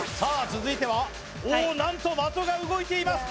続いてはおお何と的が動いています